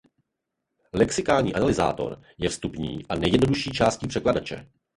Lexikální analyzátor je vstupní a nejjednodušší částí překladače.